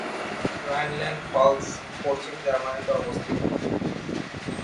Rheinland-Pfalz পশ্চিম জার্মানিতে অবস্থিত।